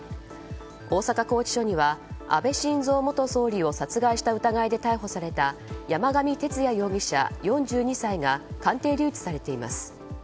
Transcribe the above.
大阪拘置所には安倍晋三元総理を殺害した疑いで逮捕された山上徹也容疑者、４２歳が鑑定留置されています。